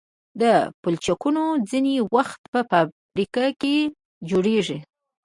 دا پلچکونه ځینې وخت په فابریکه کې جوړیږي